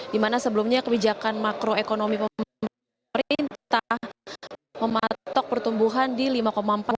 dimana sebelumnya kebijakan makroekonomi pemerintah mematok pertumbuhan di lima empat persen